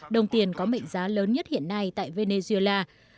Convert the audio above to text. đồng tiền có mệnh giá lớn nhất hiện nay tại venezuela